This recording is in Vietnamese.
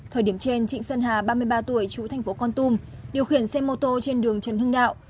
thời điểm trên trịnh sơn hà ba mươi ba tuổi chủ tp kon tum điều khiển xe mô tô trên đường trần hưng đạo